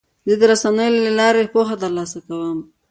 زه د رسنیو له لارې پوهه ترلاسه کوم.